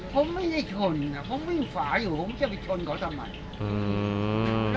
ผมไม่ได้ชนผมวิ่งฝาอยู่ผมจะไปชนเขาทำไม